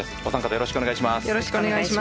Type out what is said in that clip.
よろしくお願いします。